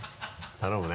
頼むね。